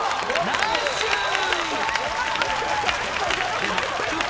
ナイスシュート！